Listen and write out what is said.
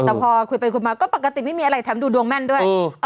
แต่พอคุยไปคุยมาก็ปกติไม่มีอะไรแถมดูดวงแม่นด้วย